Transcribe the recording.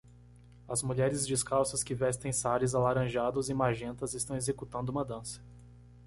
As mulheres descalças que vestem saris alaranjados e magentas estão executando uma dança.